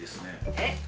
えっ？